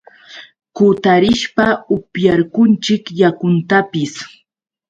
kutarishpa upyarunchik yakuntapis.